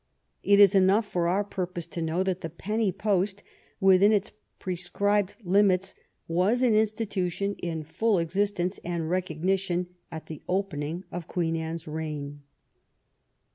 It is enough for our purpose to know that the penny post, within its prescribed limits, was an institution in full existence and recognition at the opening of Queen Anne's reign.